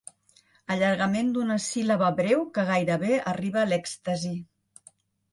Allargament d'una síl·laba breu que gairebé arriba a l'èxtasi.